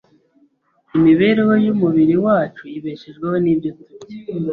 Imibereho y’umubiri wacu ibeshejweho n’ibyo turya